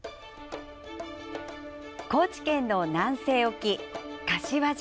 高知県の南西沖柏島。